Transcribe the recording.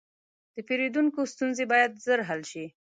د پیرودونکو ستونزې باید ژر حل شي.